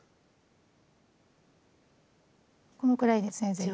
このくらいで全然。